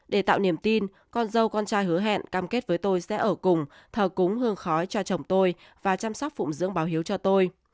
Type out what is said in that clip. để tạo niềm tin con dâu con trai hứa hẹn cam kết với tôi sẽ ở cùng thờ cúng hương khói cho chồng tôi và chăm sóc phụng dưỡng báo hiếu cho tôi